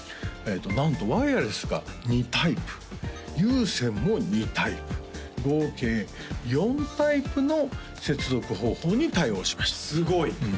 なんとワイヤレスが２タイプ有線も２タイプ合計４タイプの接続方法に対応しましたすごい！